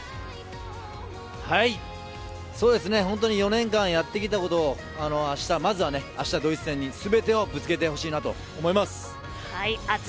そうですね４年間やってきたことをあした、まずはあしたドイツ戦に全てをぶつけてほしいと思います。